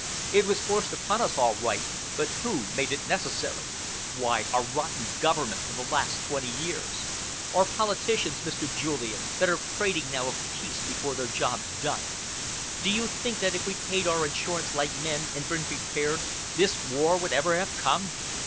It was forced upon us all right, but who made it necessary? Why, our rotten government for the last twenty years! Our politicians, Mr. Julian, that are prating now of peace before their job's done! Do you think that if we'd paid our insurance like men and been prepared, this war would ever have come?